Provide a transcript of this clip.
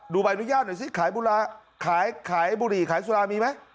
ดูใบอนุญาตหน่อยสิขายบุรีขายสุรามีไหม